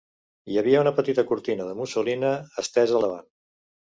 Hi havia una petita cortina de mussolina estesa al davant.